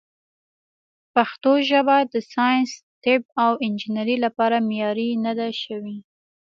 پښتو ژبه د ساینس، طب، او انجنیرۍ لپاره معیاري نه ده شوې.